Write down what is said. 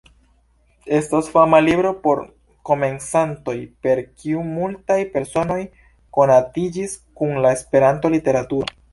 Estas fama libro por komencantoj per kiu multaj personoj konatiĝis kun la Esperanto-literaturo.